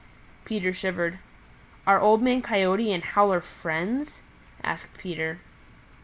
Peter shivered. "Are Old Man Coyote and Howler friends?" asked Peter.